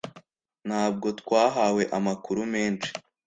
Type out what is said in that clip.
Ntabwo twahawe amakuru menshi